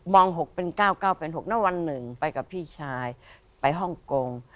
มอง๖เป็น๙๙เป็น๖แล้ววันหนึ่งไปกับพี่ชายไปฮ่องกง